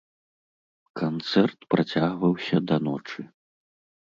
Канцэрт працягваўся да ночы.